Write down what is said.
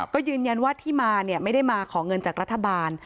ก็ยืนยันว่าที่มาไม่ได้มาขอเงินจากรัฐบาล